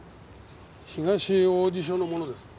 東王子署の者です。